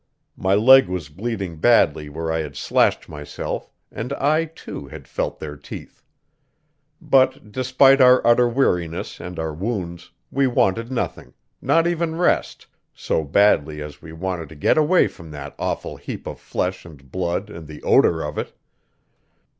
My leg was bleeding badly where I had slashed myself, and I, too, had felt their teeth. But, despite our utter weariness and our wounds, we wanted nothing not even rest so badly as we wanted to get away from that awful heap of flesh and blood and the odor of it.